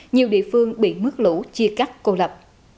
nhiều địa phương bị nước lũ chia cắt cô lập